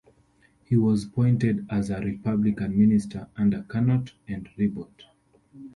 He was appointed as a Republican minister under Carnot and Ribot.